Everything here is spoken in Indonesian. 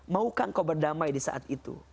maukan kau berdamai di saat itu